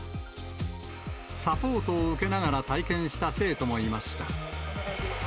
サポートを受けながら体験した生徒もいました。